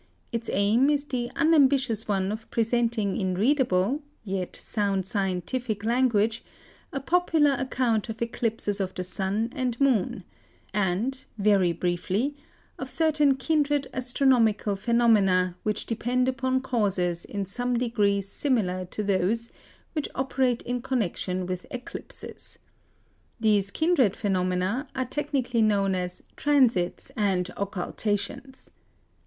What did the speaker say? Its aim is the unambitious one of presenting in readable yet sound scientific language a popular account of eclipses of the Sun and Moon, and (very briefly) of certain kindred astronomical phenomena which depend upon causes in some degree similar to those which operate in connection with eclipses. These kindred phenomena are technically known as "Transits" and "Occultations."